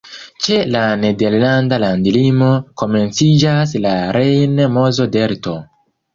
Ĉe la nederlanda landlimo komenciĝas la Rejn-Mozo-Delto.